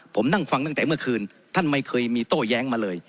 ผมนั่งฟังตั้งแต่เมื่อคืนท่านไม่เคยมีโต้แย้งมาเลย